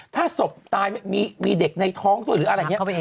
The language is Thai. ถ้าศพตายมีเด็กในท้องด้วยหรืออะไรอย่างนี้